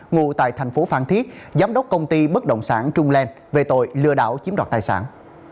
ngụ tại thành phố phan thiết giám đốc công ty bất động sản trung lan về tội lừa đảo chiếm đoạt tài sản